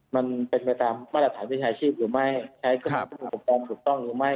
มันเป็นไปตามมาตรฐานวิชาชีพหรือไม่ใช้เครื่องอุปกรณ์ถูกต้องหรือไม่